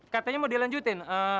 katanya mau dilanjutin